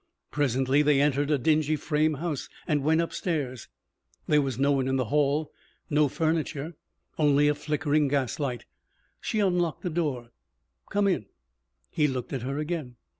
Presently they entered a dingy frame house and went upstairs. There was no one in the hall, no furniture, only a flickering gas light. She unlocked a door. "Come in." He looked at her again.